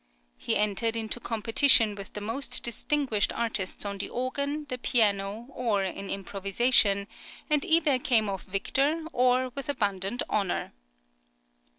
He entered into competition with the most distinguished artists on the organ, the piano, or in improvisation, and either came off victor or with abundant honour.